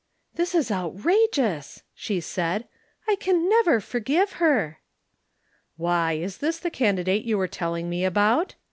"This is outrageous," she said. "I can never forgive her." "Why, is this the candidate you were telling me about?"